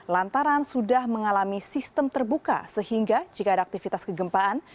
lantaran sudah mengalami sistem terbuka sehingga jika ada aktivitas kegempaan